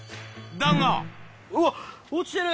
うわっ、落ちてる。